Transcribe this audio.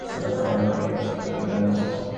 নুহাশকে কিছু বলে গেলেন না।